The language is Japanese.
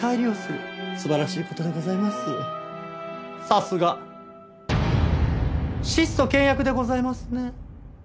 さすが質素倹約でございますね。